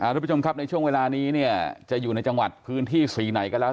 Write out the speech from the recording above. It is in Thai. ทุกผู้ชมครับในช่วงเวลานี้เนี่ยจะอยู่ในจังหวัดพื้นที่สีไหนก็แล้ว